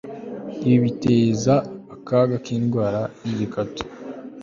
Ibi biteza akaga kindwara yigikatu